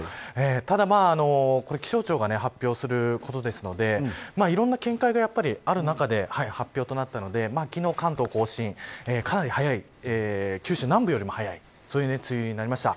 ただ、これ気象庁が発表することですのでいろんな見解がやっぱりある中で発表となったので昨日、関東甲信かなり早い九州南部よりも早い梅雨入りになりました。